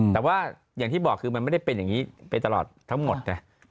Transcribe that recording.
แต่ว่าอย่างที่บอกคือมันไม่ได้เป็นอย่างนี้ไปตลอดทั้งหมดนะ